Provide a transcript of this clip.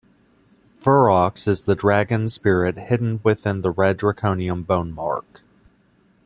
Furox is the dragon spirit hidden within the red draconium bonemark.